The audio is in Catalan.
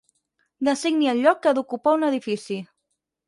Designi el lloc que ha d'ocupar un edifici.